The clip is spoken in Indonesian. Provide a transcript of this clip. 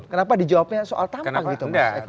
kenapa dijawabnya soal tampang gitu mas eko